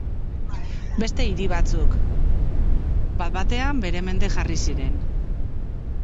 Beste hiri batzuk, bat-batean bere mende jarri ziren.